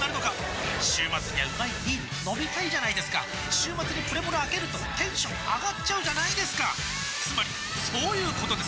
週末にはうまいビール飲みたいじゃないですか週末にプレモルあけるとテンション上がっちゃうじゃないですかつまりそういうことです！